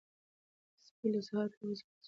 سپي له سهاره تر اوسه په کوڅه کې غپا کوله.